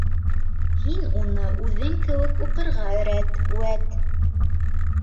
Һин уны үҙең кеүек уҡырға өйрәт, үәт.